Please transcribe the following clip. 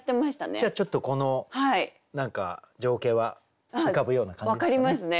じゃあちょっとこの何か情景は浮かぶような感じですかね。